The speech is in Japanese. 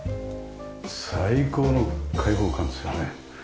最高の開放感ですよね。